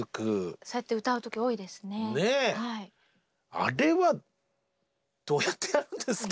あれはどうやってやるんですか？